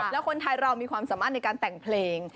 แล้วคนไทยเรามีความสามารถในการแต่งเพลง